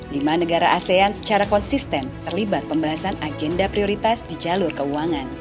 lima negara asean secara konsisten terlibat pembahasan agenda prioritas di jalur keuangan